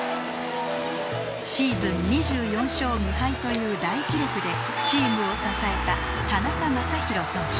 シーズン２４勝無敗という大記録でチームを支えた田中将大投手